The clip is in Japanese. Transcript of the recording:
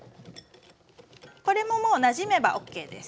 これももうなじめばＯＫです。